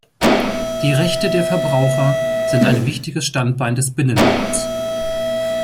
Die Rechte der Verbraucher sind ein wichtiges Standbein des Binnenmarkts.